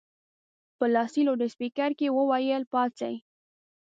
په لاسي لوډسپیکر کې یې وویل پاڅئ.